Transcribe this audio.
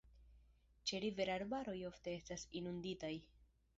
Ĉeriver-arbaroj ofte estas inunditaj.